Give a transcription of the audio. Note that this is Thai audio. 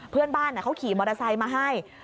เพื่อนบ้านเขาขี่มอเตอร์ไซค์มาให้